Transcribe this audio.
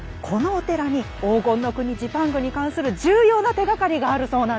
このお寺に黄金の国ジパングに関する重要な手がかりがあるそうなんです。